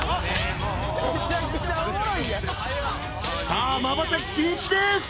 ［さあまばたき禁止です！］